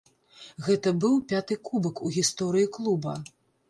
Гэта быў пяты кубак у гісторыі клуба.